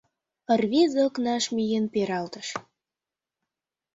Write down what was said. Рвезе окнаш миен пералтыш.